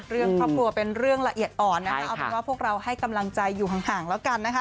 เรื่องครอบครัวเป็นเรื่องละเอียดอ่อนนะคะเอาเป็นว่าพวกเราให้กำลังใจอยู่ห่างแล้วกันนะคะ